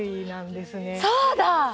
そうだ！